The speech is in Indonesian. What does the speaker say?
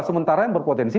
sementara yang berpotensi